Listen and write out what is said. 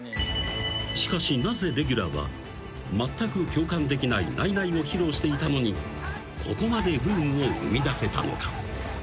［しかしなぜレギュラーはまったく共感できないないないを披露していたのにここまでブームを生みだせたのか？］